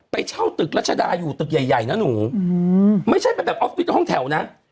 ไปเช่าตึกรัชดาอยู่ตึกใหญ่นะหนูไม่ใช่ไปแบบออฟฟิศห้องแถวนะ